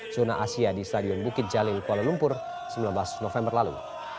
zona asia di stadion bukit jalil kuala lumpur sembilan belas november lalu